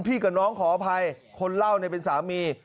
พี่กับน้องขออภัยคนเล่าในเป็นสามี